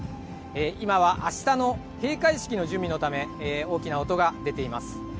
今はあしたの閉会式の準備のため大きな音が出ています。